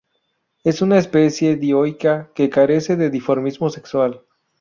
Es una especie dioica que carece de dimorfismo sexual.